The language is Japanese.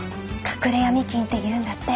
隠れ闇金っていうんだって。